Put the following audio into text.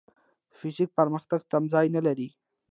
د فزیک پرمختګ تمځای نه لري.